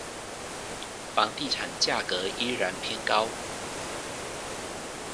房地產價格依然偏高